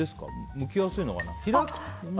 むきやすいのかな。